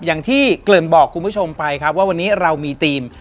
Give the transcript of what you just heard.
อย่างที่เกริ่นบอกคุณผู้ชมไปครับว่าวันนี้เรามีธีม